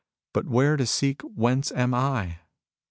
But where to seek whence am I